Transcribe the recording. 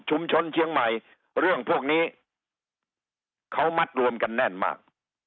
เชียงใหม่เรื่องพวกนี้เขามัดรวมกันแน่นมาก